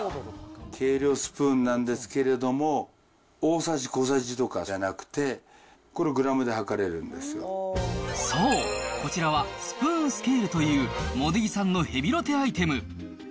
計量スプーンなんですけれども、大さじ、小さじとかじゃなくて、これ、そう、こちらはスプーンスケールという、茂出木さんのヘビロテアイテム。